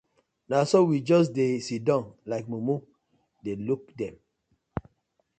Na so we just dey siddon like mumu dey look dem.